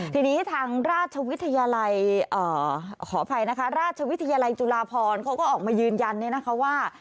ทีนี้ทางราชวิทยาลัยขออภัยนะคะราชวิทยาลัยจุฬาพรเขาก็ออกมายืนยันเนี่ยนะคะว่า